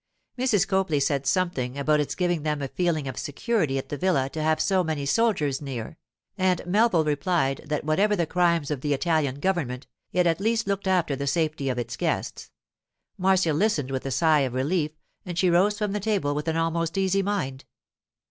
Mrs. Copley said something about its giving them a feeling of security at the villa to have so many soldiers near, and Melville replied that whatever the crimes of the Italian government, it at least looked after the safety of its guests, Marcia listened with a sigh of relief, and she rose from the table with an almost easy mind.